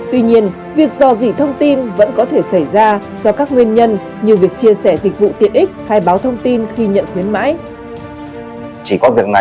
tuy nhiên việc dò dỉ thông tin vẫn có thể xảy ra do các nguyên nhân như việc chia sẻ dịch vụ tiện ích khai báo thông tin khi nhận khuyến mãi